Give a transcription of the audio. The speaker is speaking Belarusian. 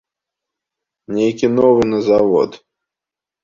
Нейкі новы на завод.